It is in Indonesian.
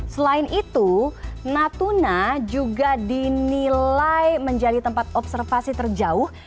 selain itu natuna juga dinilai menjadi tempat observasi terjauh